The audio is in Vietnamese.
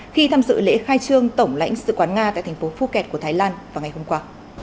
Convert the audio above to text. khi tham dự lễ khai trương tổng lãnh sự quán nga tại thành phố phuket của thái lan vào ngày hôm qua